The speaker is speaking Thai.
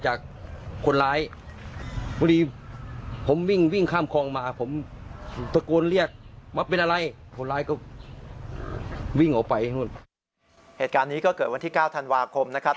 เหตุการณ์นี้ก็เกิดวันที่๙ธันวาคมนะครับ